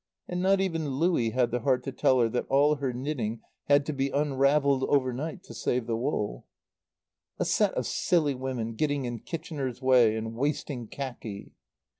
And not even Louie had the heart to tell her that all her knitting had to be unravelled overnight, to save the wool. "A set of silly women, getting in Kitchener's way, and wasting khaki!"